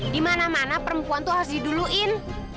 di mana mana perempuan tuh harus diduluin